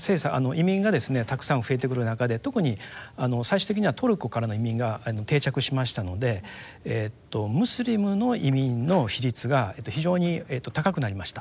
移民がですねたくさん増えてくる中で特に最終的にはトルコからの移民が定着しましたのでムスリムの移民の比率が非常に高くなりました。